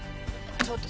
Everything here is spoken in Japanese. ちょっと。